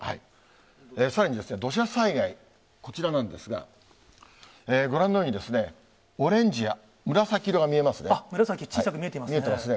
さらに、土砂災害、こちらなんですが、ご覧のように、紫、小さく見えてますね。